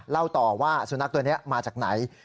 เล่าต่อว่าสุนัขตัวนี้มาจากไหน